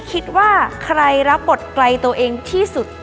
คิดว่าใครรับบทไกลตัวเองที่สุด